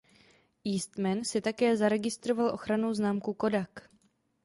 Eastman si také zaregistroval ochrannou známku Kodak.